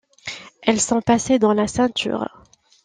Elles sont passées dans la ceinture.